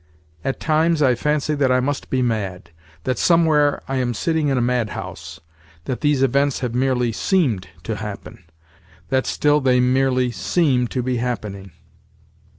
At times I fancy that I must be mad; that somewhere I am sitting in a madhouse; that these events have merely seemed to happen; that still they merely seem to be happening.